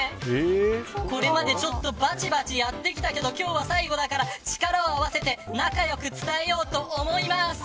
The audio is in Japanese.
これまでバチバチやってきたけど今日は最後だから力を合わせて仲良く伝えようと思います。